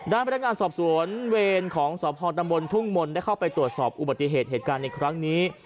พนักงานสอบสวนเวรของสพตำบลทุ่งมนต์ได้เข้าไปตรวจสอบอุบัติเหตุเหตุการณ์ในครั้งนี้